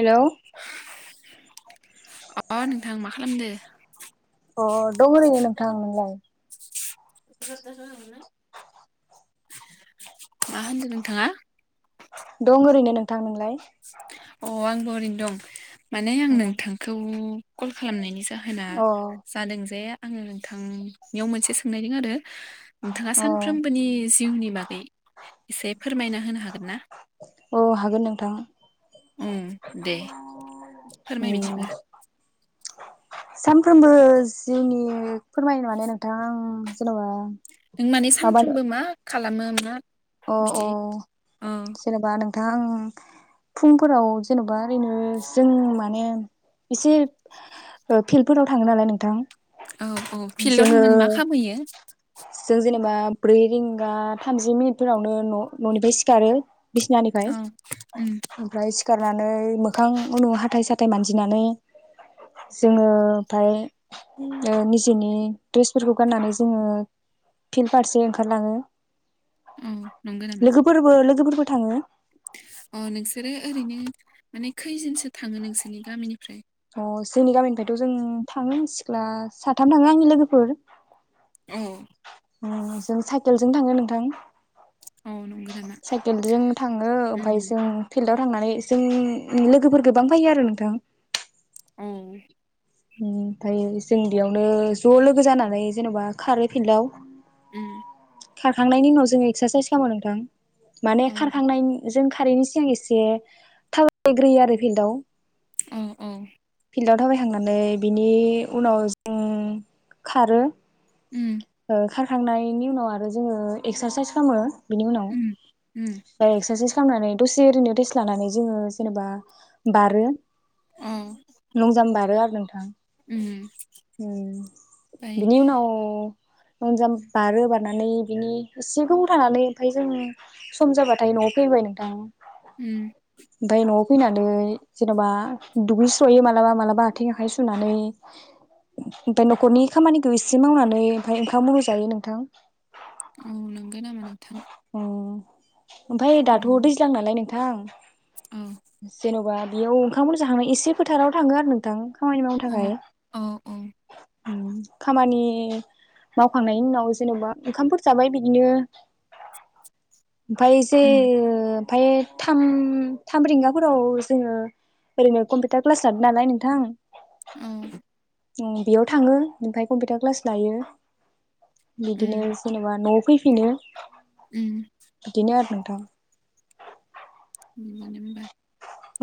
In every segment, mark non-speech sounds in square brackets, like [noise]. हेल' अ नोंथां मा खालामदो? अ दं ओरैनो नोंथां नोंलाय? [unintelligible] मा होनदों नोंथाङा? थां नोंलाय? अ आंबो ओरैनो दं। माने आं अ नोंथांखौ कल खालामनायनि जा जाहोना अ जादों जे आङो नोंथांनियाव मोनसे सोंनायदों आरो? नोंथाङा सानफ्रोमबोनि जिउनि बागै एसे फोरमायना होनो हागोन ना? औ हागोन नों ओम दे फोरमाय उम बिदिब्ला। सानफ्रोमबो जिउनि फोरमायनो माने नोंथां जेनबा नों माने माबा सानफ्रोमबो मा खालामो मा अ अ बिदि औ जेनेबा नों दा आं फुंफोराव जेन'बा ओरैनो जों माने एसे ओ फिल्डफोराव थाङो नालाय नोंथां। औ औ फिल्डआव जोङो थांनानै मा खामहैयो? जों जेनेबा ब्रै रिंगा थामजि मिनिटफोरावनो न'-न'निफ्राय सिखारो। बिसिनानिफ्राय औ उम ओमफ्राय सि [unintelligible] [unintelligible] मोखां उनाव हाथाइ साथाइ हाथाइ मानजिनानै जोङो ओमफ्राय ओ निजेनि ड्रेसफोरखौ गाननानै जोङो फिल्ड फारसे ओंखारलाङो औ नंगौ नामा लोगोफोरबो लोगोफोर बो थाङो अ नोंसोरो ओरैनो माने खैजनसो थाङो नोंसोरनि गामिनिफ्राय अ जोंनि गामिनिफ्रायथ' जों थाङो सिख्ला साथाम थाङो आंनि लोगोफोर। औ अ जों साइकेल जों थाङो नोंथां औ नंगौ नामा साइकेलजों थाङो ओमफ्राय उम जों फिल्डआव थांनानै जों लोगोफोर गोबां फैयो आरो नोंथां। औ ओमफ्राय जों बेयावनो ज' लोगो जानानै जेन'बा खारो फिल्डआव ओम खारखांनायनि उनाव जोङो एक्सारसाइस खामो नोंथां माने औ खारखांनाय जों खारैनि सिगां एसे थाबायग्रोयो आरो फिल्डआव औ औ फिल्डआव थाबायखांनानै बिनि उनाव जों खारो। ओम ओ खारखांनायनि उनाव आरो जोङो एक्सारसाइस खामो। बिनि उनाव उम उम एक्सारसाइस खामनानै दसे ओरैनो रेस्ट लानानै जोङो जेनेबा बारो। औ लंजामबारो आरो नोंथां उम ओमफ्राय ओम बिनि उनाव लंजाम बारो बारनानै बिनि एसे गोबाव थानानै ओमफ्राय जों सम जाबाथाय न'आव फैबाय नोंथां। ओम ओमफाय न'आव फैनानै जेन'बा दुगै [unintelligible] मालाबा मालाबा आथिं आखाइ सुनानै ओमफाय न'खरनि खामानिखौ इसे मावनानै ओमफाय ओंखाम आरि जायो नोंथां ओम नंगो नामा नोंथां ओमफ्राय दाथ' उम दैज्लां नालाय नोंथां औ [unintelligible] जेनबा बेयाव [unintelligible] एसे फोथाराव थाङो आरो नोंथां खामानि मावनो अ थाखाय औ ओम खामानि मावखांनायनि उनाव जेन'बा ओंखामफोर जाबाय बिदिनो ओमफ्राय एसे उम ओ ओमफाय थाम थाम रिंगाफोराव जोङो ओरैनो कमपि टार क्लास हादों नालाय नोंथां औ ओम बेयाव थाङो ओमफ्राय कम्पिउटार क्लास लायो बिदिनो जेनबा न फैफिनो ओम [unintelligible] बिदिनो होमबा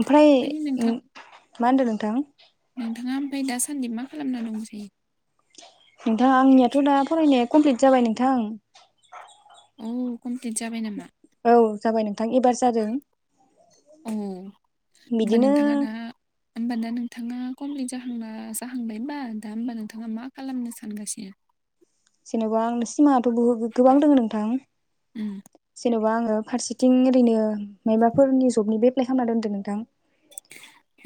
ओमफ्राय ओ मा होनदों नोंथां नोंथाङा ओमफ्राय दासान दासान्दि मा खालामना दं [unintelligible] नोंथां आंनियाथ' दा फरायनाया कमप्लिट जाबाय नोंथां औ कमप्लिट जाबाय नामा औ जाबाय नों औ होमबा बिदिनो नोंथाङा दा होमबाना नोंथाङा कमप्लिट जाहांना जाहांबाय होनबा दा होमबा नोंथाङा मा खालामनो सानगासिनो जेनबा सिमाङाथ' बहुत गोबां दङ नोंथां उम जेन'बा आङो फारसेथिं ओरैनो मायबाफोरनि जबनिबो एप्लाइ खालामना दोनदों नोंथां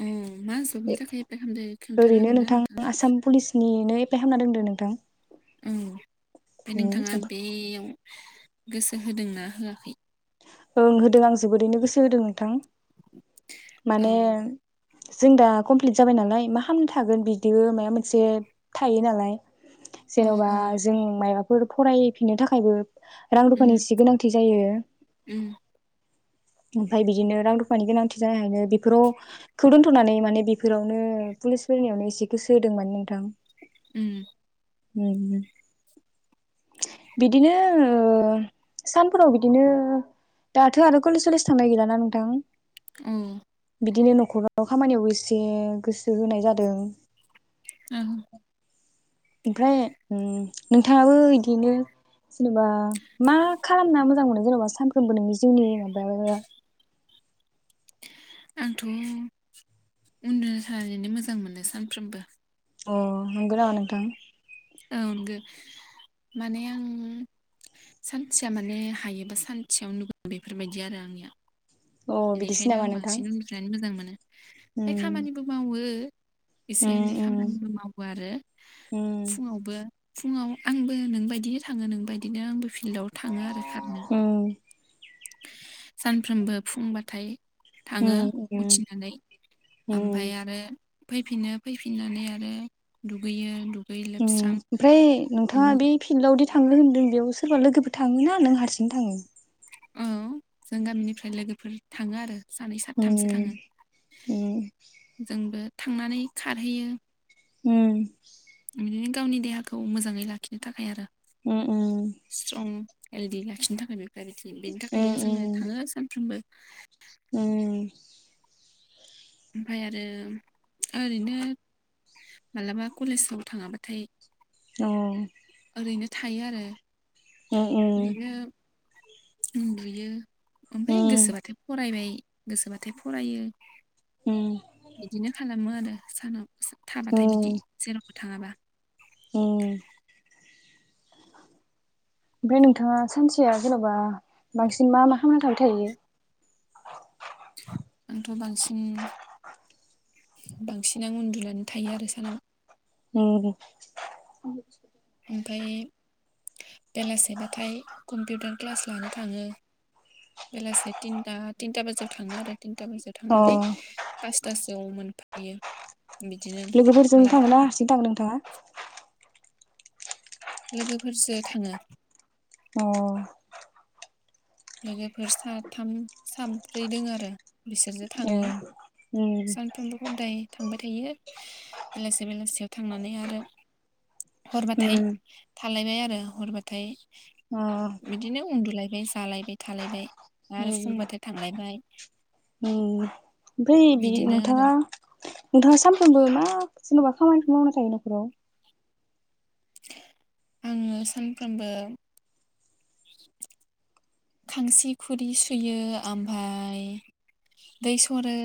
औ मा जबनि थाखाय एप्लाइ खालामदो खोन्थानो ओरैनो हागोन ना नोंथां नोंथाङा आसाम पुलिसनिनो एप्लाइ खालामना दोनदो नोंथां ओम ओमफ्राय नोंथाङा बेयाव गोसो होदोंना होआखै ओं होदों आं जोबोरैनो गोसो होदों नोंथां औ माने जों दा कमप्लिट जाबाय नालाय मा खामना थागोन बिदिबो माबा मोनसे थायो नालाय औ जेन'बा औ जों मायबाफोर फरायफिननो थाखायबो रां रुफानि एसे गोनांथि जायो। ओम ओमफ्राय बिदिनो रां रुफानि गोनांथि जानायखायनो बेफोरावखौ दोनथ'नानै माने बेफोरावनो पुलिस फोरनियावनो एसे गोसो होदों माने नोंथां ओम ओम बिदिनो ओ सानफोराव बिदिनो दाथो आरो कलेज सलेज थांनाय गैला ना नोंथां औ बिदिनो न'खराव खामानियावबो एसे गोसो होनाय जादों ओं ओमफ्राय नोंथाङाबो बिदिनो जेनेबा मा खालामना मोजां मोनो जेन'बा सानफ्रोमबो नोंनि जिउनि माबा आंथ' उन्दुना [unintelligible] मोजां मोनो सानफ्रोमबो अ नंगौ नामा नोंथां औ नंगौ माने आं सानसेया माने हायोबा सानसेयाव उन्दुगोन बेफोरबायदि आरो आंनिया अ बिदिसो बेनिखायनो नामा आं नोंथां बांसिन उन्दुनानै मोजां मोनो ओमफ्राय उम खामानिबो मावो एसे एनै उम उम खामानिबो मावो आरो उम [unintelligible] फुङाव आंबो नों बादिनो थाङो नोंबादिनो आंबो फिल्डआव थाङो आरो खारनो उम सानफ्रोमबो फुंबाथाय थाङो उम उम उथिनानै उम ओमफाय आरो फैफिनो फैफिननानै आरो दुगैयो दुगै ओम लोबस्रां ओमफ्राय नोंथाङा बिनि बे फिल्डआवदि थाङो होनदों बेयाव सोरबा लोगोफोर थाङो ना नों हारसिं थाङो औ जों गामिनिफ्राय लोगोफोर थाङो आरो सानै साथामसो उम थाङो उम जोंबो थांनानै खारहैयो ओम बिदिनो गावनि देहाखौ मोजाङै लाखिनो थाखाय आरो ओम ओम हेलडि लाखिनो थाखायनो [unintelligible] बेनि थाखायनो जोङो उम थाङो सानफ्रोमबो उम ओमफ्राय आरो ओरैनो मालाबा कलेजफ्राव थाङाबाथाय अ ओरैनो थायो आरो उम उम उनदुयो ओमफ्राय उम गोसोबाथाय फरायबाय गोसोबाथाय फरायो। उम बिदिनो खालामो आरो सानाव थाबाथाय बिदि जेन'बा थाङाबा अ ओमफ्राय नोंथाङा सानसेया जेन'बा बांसिन मा मा खामना थाबाय थायो? आंथ' बांसिन बांसिन आं उन्दुनानै थायो आरो सानाव। उम ओमफाय बेलासेबाथाय कम्पिउटार क्लास लानो थाङो बेलासे तिनता तिनता बाजायाव थाङो आरो। तिनता बाजायाव अ थांनानै पासतासो आव मोनफायो। बिदिनो लोगोफोरजों मालाबा थाङो ना हारसिं थाङो नोंथाङा? लोगोफोरजो थाङो अ लोगोफोर साथाम साब्रै दों आरो। बिसोरजो ए थाङो उम सानफ्रोमबो खददाय थांबाय थायो बेलासे बेलासियाव थांनानै आरो हरबाथाय उम थालायबाय आरो हरबाथाय अ बिदिनो उन्दुलायबाय जालायबाय। थालायबाय आरो उम फुंबाथाय थांलायबाय। उम ओमफ्राय बि बिदिनो आरो नोंथाङा नोंथाङा सानफ्रोमबो मा जेन'बा खामानिखौ मावना थायो न'खराव आङो सानफ्रोमबो खांसि खुरि सुयो ओमफाय दै सरो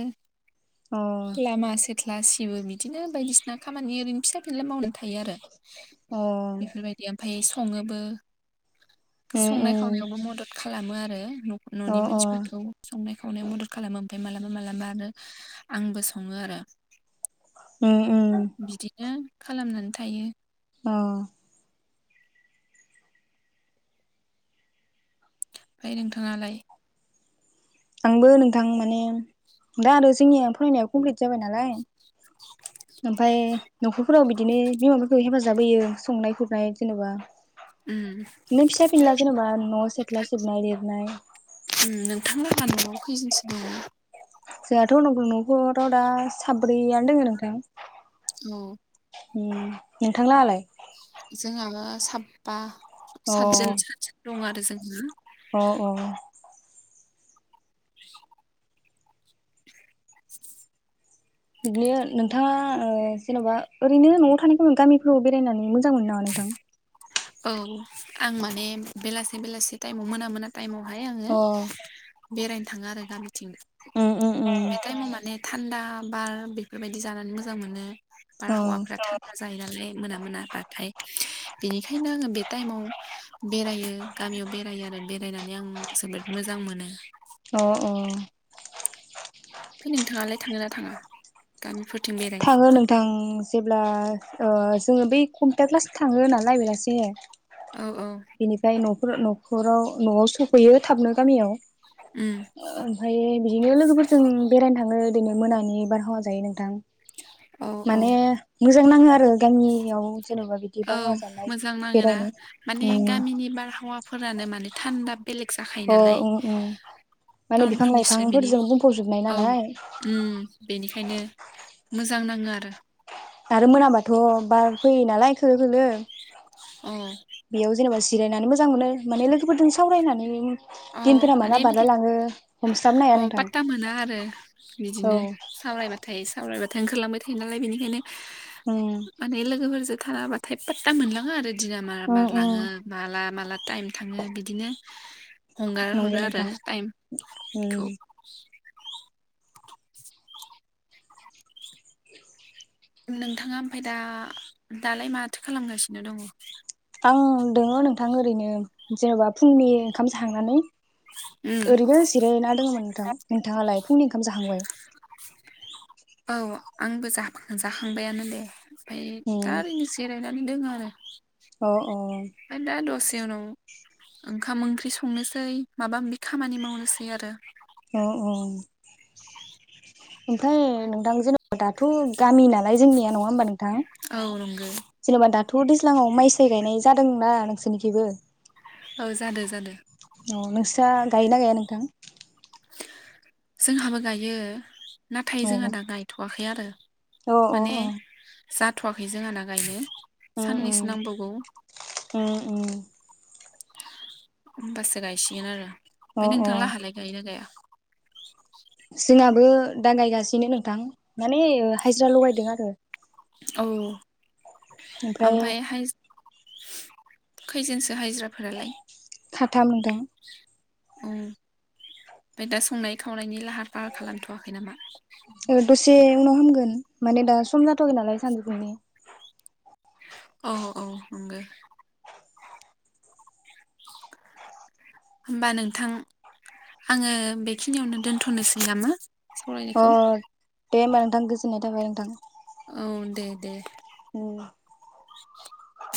अ लामासे सिथला सिबो बिदिनो बायदिसिना खामानि ओरैनो फिसा फिनला मावनानै थायो आरो अ बेफोरबायदि ओमफाय सङोबो उम संनाय उम खावनायावबो मदद खालामो आरो न अ न'नि अ मानसिफोरखौ संनाय खावनायाव मदद खालामो ओमफाय मालाबा मालाबा आरो आंबो सङो आरो उम उम बिदिनो खालामनानै थायो। अ ओमफाय नोंथाङालाय। आंबो नोंथां माने दा आरो जोंनिया फरायनाया कमप्लिट जाबाय नालाय ओमफाय नख फोराव बिदिनो बिमाफोरखौ हेफाजाब होयो संनाय खुरनाय जेनबा उम नो फिसा फिनला जेन'बा न' सेथ्ला सिबनाय लिरनाय मोनहा न'आव खैजोनसो दङ? जोंहाथ नगो न'फोराव दा साब्रैयानो दोङो नोंथां। औ उम नोंथां लाहा लाय? जोंहाना साबबा। अ सातजोन सातजोन दं आरो जोंहा अ अ [inaudible] बिदिनो नोंथाङा ओ जेनबा ओरैनो न'आव थानाय खमाव गामिफ्राव बेरायनानै मो जां मोनो नामा नोंथां औ आं माने बेलासे बेलासे टाइमाव मोना मोना टाइमाव हाय आङो अ बेरायनो थाङो आरो गामिथिं उम उम उम एटाइमाव माने थान्दा बार बेफोरबायदि जानानै मोजां मोनो। अ बारहावाफ्रा थानदा जायो नालाय मोना मोना बाथ [unintelligible] बेखायनो आङो बे टाइमाव बेरायो गामियाव बेरायो आरो बेरायनानै आं जोबोद मोजां मोनो। अ अ गामि फो थाङो नोंथां जेब्ला ओ जोङो बै कम्पिउटार क्लास थाङो नालाय बेलासे। औ औ बेनिफ्राय न फोर न'खराव न'आव सफैयो थाबनो गामियाव। उम ओमफ्रायो बिदिनो लोगोफोरजों बेरायनो थाङो ओदिनो मोनानि बारहावा जायो नोंथां औ औ। जां नाङो आरो गामियाव। जेन'बा बिदि औ बारहावा जानाय मोजां नाङो ना बेरायनो माने उम गामिनि बारहावाफोरानो माने थानदा बेलेग जाखायो अ नालाय ओं ओं माने बिफां टाउनफोरनिस्राय बिनि लाइफांफोरजों बुंफबजोबनाय नालाय ओंखायनो मोजां नाङो आरो। आरो मोनाबाथ' बार फैयो नालाय खोलो खोलो औ बेयाव जेनेबा सि जिरायनानै मोजां मोनो माने लोगोफोरजों सावरायनानै औ दिनफोरा माला माने बिदि बारलाय लाङो हमस्लाबनो हाया अ नोंथां पात्ता मोना आरो औ बिदिनो सावरायबाथाय सावरायबाय थाय ओंखार लांबाय थायो नालाय बेनिखायनो उम माने लोगोफोरजों थाराबाथाय फात्ता मोनलाङा आरो दिना मारा उम उम बारलाङो माला माला टाइम थाङो बिदिनो हंगार नंगौ हरो आरो नोंथां उम टाइमखौ नोंथाङा ओमफाय दा दालाय माथो खालामगासिनो दङ? आं दोङो नोंथां ओरैनो जेन'बा फुंनि ओंखाम जाखांनानै उम ओरैनो जिराय ना दङमोन नोंथां नोंथाङालाय फुंनि ओंखाम जाखांबाय औ आंबो जाफाखा जाखांबायानो दे फाय दा उम एरैनो जिरायना दोङो आरो अ अ से उनाव ओंखाम ओंख्रि संनोसै माबा माबि खामानि मावनोसै आरो औ औ ओमफाय नोंथां जेन'बा दाथ' गामि नालाय जोंनिया नङा होमबा नोंथां औ नंगौ जेन'बा दा थ' दैज्लांआव माइ साइ गायनाय जादोंना नोंसोरनिखैबो औ जादो जादो। औ नोंस्रा गायोना गाया नोंथां जोंहाबो गायो नाथाय अ जोंहा दा गायथ'वाखै ए आरो अ अ माने अ जाथ'वाखै जोंहाना गायनो। उम साननैसो उम नांबावगौ उम उम होमबासो गायसिगोन आरो अ ओमफाय नोंथां लाहालाय गायोना गाया जोनाबो दा गायगासिनो नोंथां माने हाजिरा लगायदों आरो औ ओमफ्राय ओमफाय हाज खैजोनसो हाइज्राफोरालाय? खाथाम नोंथां औ फाय दा संनाय खावनायनि लाहा पाहा खालाम थ'वाखै नामा? से उनाव खामगोन माने दा सम जाथ'आखै नालाय सानजो फुंनि औ औ नंगो होमबा नोंथां आङो बेखिनियावनो दोनथ'नोसै नामा अ सावरायनायखौ दे होमबा नोंथां गोजोननाय थाबाय नोंथां। औ दे दे उम [inaudible]